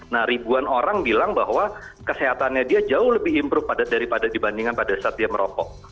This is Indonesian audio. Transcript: nah ribuan orang bilang bahwa kesehatannya dia jauh lebih improve dibandingkan pada saat dia merokok